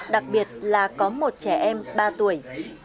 đặc biệt là có một trẻ em ba tuổi